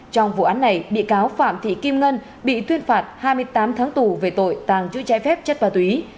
trong vụ án này bị cáo phạm thị kim ngân bị tuyên phạt hai mươi tám tháng tù về tội tàng chữ trái phép chất ma túy